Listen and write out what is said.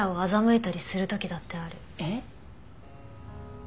えっ？